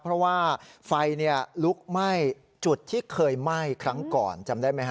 เพราะว่าไฟลุกไหม้จุดที่เคยไหม้ครั้งก่อนจำได้ไหมฮ